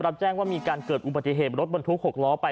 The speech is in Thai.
รับแจ้งว่ามีการเกิดอุบัติเหตุรถบรรทุก๖ล้อไป